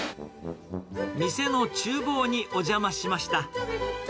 店のちゅう房にお邪魔しました。